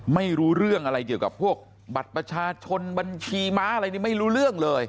ไม่รู้เรื่องอะไรเกี่ยวกับพวกบัตรประชาชนบัญชีม้าอะไรนี่ไม่รู้เรื่องเลย